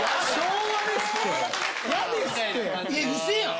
えウソやん！